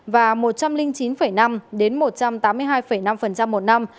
và một trăm linh chín năm đến một trăm tám mươi hai năm một năm